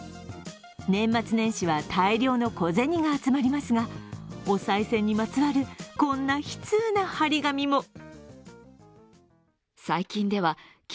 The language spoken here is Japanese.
年末年始は大量の小銭が集まりますが、おさい銭にまつわるこんな悲痛な貼り紙も。